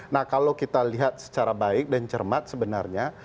nah kalau kita lihat secara baik dan cermat sebenarnya